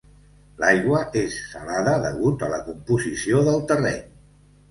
L'aigua és salada degut a la composició del terreny.